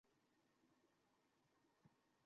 ক্যাপ্টেনের স্বাস্থ্য ভাল নেই।